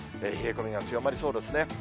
冷え込みが強まりそうですね。